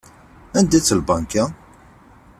Anda-tt lbanka?